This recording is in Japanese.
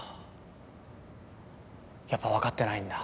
やっぱわかってないんだ。